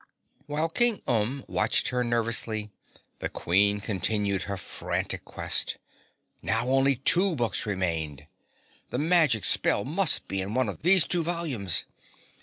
While King Umb watched nervously, the Queen continued her frantic quest. Now only two books remained. The magic spell must be in one of these two volumes.